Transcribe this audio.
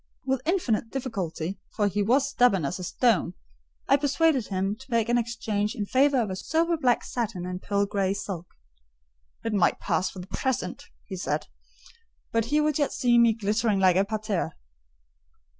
With infinite difficulty, for he was stubborn as a stone, I persuaded him to make an exchange in favour of a sober black satin and pearl grey silk. "It might pass for the present," he said; "but he would yet see me glittering like a parterre."